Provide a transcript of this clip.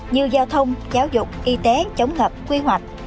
như giao thông giáo dục y tế chống ngập quy hoạch